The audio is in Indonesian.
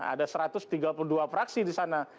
ada satu ratus tiga puluh dua fraksi di sana